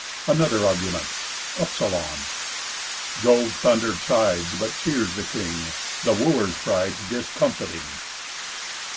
ANOTHER ARGUMENT ψ. Jove's thunder chides, But cheers the King, The Wooers' prides Discomfiting.